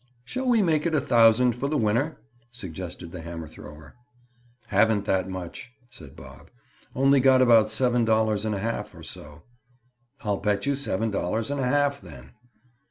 "Shall we make it a thousand for the winner?" suggested the hammer thrower. "Haven't that much," said Bob. "Only got about seven dollars and a half, or so." "I'll bet you seven dollars and a half, then."